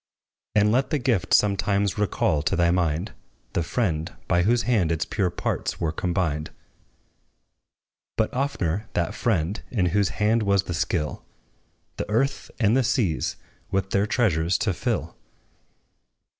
And let the gift sometimes recall to thy mind The friend, by whose hand its pure parts were combined; But, oftener, that Friend, in whose hand was the skill The earth and the seas with their treasures to fill!